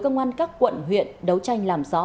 công an các quận huyện đấu tranh làm gió